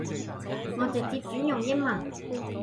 我直接轉用英文